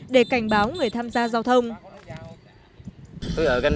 để cảnh báo người tham gia giao thông